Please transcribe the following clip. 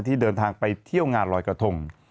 ที่เดินทางไปเที่ยวงานลอยกระทง